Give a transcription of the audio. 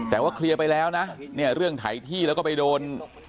แต่ว่าเคลียร์ไปแล้วนะเนี่ยเรื่องไถที่แล้วก็ไปโดน